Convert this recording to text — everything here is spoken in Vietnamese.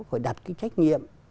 phải đặt cái trách nhiệm